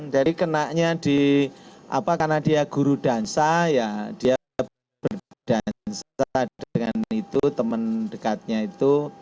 jadi kenaknya di karena dia guru dansa dia berdansa dengan itu teman dekatnya itu